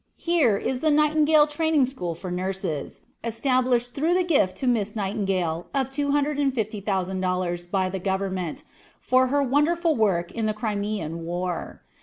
Here is the Nightingale Training School for nurses, established through the gift to Miss Nightingale of $250,000 by the government, for her wonderful work in the Crimean War.